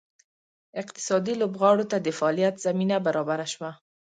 اقتصادي لوبغاړو ته د فعالیت زمینه برابره شوه.